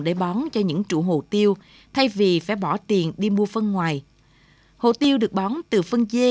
để bón cho những trụ hồ tiêu thay vì phải bỏ tiền đi mua phân ngoài hồ tiêu được bón từ phân dê